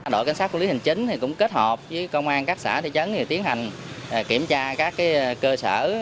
đội cảnh sát quản lý hình chính cũng kết hợp với công an các xã thị trấn tiến hành kiểm tra các cơ sở